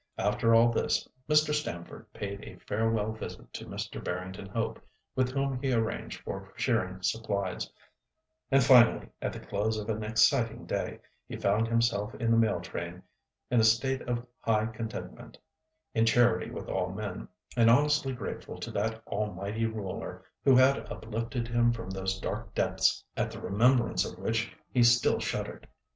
After all this Mr. Stamford paid a farewell visit to Mr. Barrington Hope, with whom he arranged for shearing supplies, and, finally, at the close of an exciting day, he found himself in the mail train in a state of high contentment, in charity with all men, and honestly grateful to that Almighty Ruler who had uplifted him from those dark depths, at the remembrance of which he still shuddered.